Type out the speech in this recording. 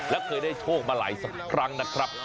และเคยได้โชคมาหลายสักครั้งนะครับ